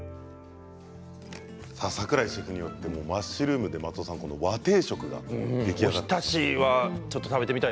桜井シェフによってマッシュルーム松尾さん、和定食出来上がりました。